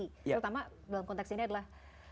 terutama dalam konteks ini adalah